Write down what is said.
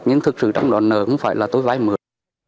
nhưng thực sự trong đoàn nờ cũng phải là tối vái mượt